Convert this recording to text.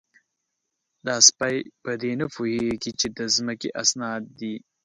_دا سپۍ په دې نه پوهېږي چې د ځمکې اسناد دي؟